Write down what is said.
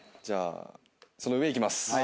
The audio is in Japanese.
じゃあその上いきます。